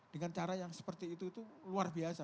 dengan cara yang seperti itu itu luar biasa